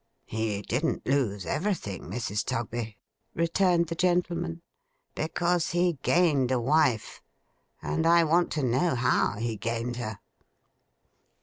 'He didn't lose everything, Mrs. Tugby,' returned the gentleman, 'because he gained a wife; and I want to know how he gained her.